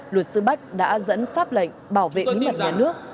luật sư bách đã dẫn pháp lệnh bảo vệ bí mật nhà nước